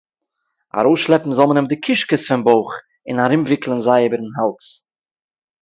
אַרויסשלעפּן זאָל מען אים די קישקעס פֿון בויך און ארומוויקלען זיי איבערן האַלז.